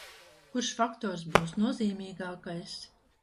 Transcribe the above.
Kurš faktors būs nozīmīgākais?